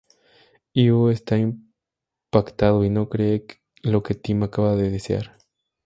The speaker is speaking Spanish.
Ivo está impactado y no cree lo que Tim acaba de desear.